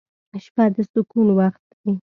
• شپه د سکون وخت دی.